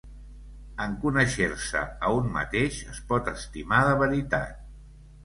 En conèixer-se a un mateix, es pot estimar de veritat.